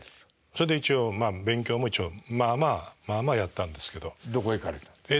それで一応勉強も一応まあまあまあまあやったんですけど。どこ行かれたんですか？